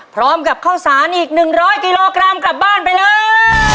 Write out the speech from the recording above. พร้อมกับข้าวสารอีก๑๐๐กิโลกรัมกลับบ้านไปเลย